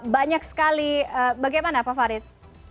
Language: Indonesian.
banyak sekali bagaimana pak farid